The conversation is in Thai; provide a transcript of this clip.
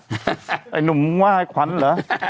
ไอ้หนุ่มมึงว่าไอ้ขวัญเหรอ